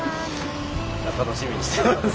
楽しみにしています。